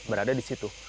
berada di situ